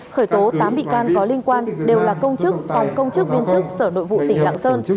khởi tố tám bị can có liên quan đều là công chức phòng công chức viên chức sở nội vụ tỉnh lạng sơn